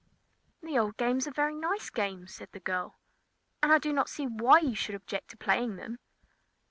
"The old games are very nice games," said the girl, "and I do not see why you should object to playing them."